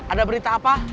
ada berita apa